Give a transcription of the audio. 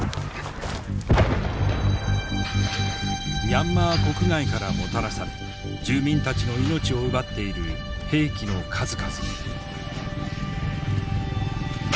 ミャンマー国外からもたらされ住民たちの命を奪っている兵器の数々。